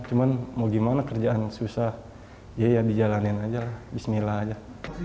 cuma mau gimana kerjaan susah ya ya dijalanin aja lah bismillah aja